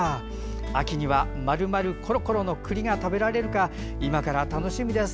秋には丸々ころころのくりが食べられるか今から楽しみです。